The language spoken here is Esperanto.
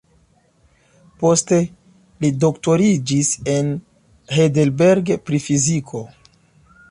Poste li doktoriĝis en Heidelberg pri fiziko.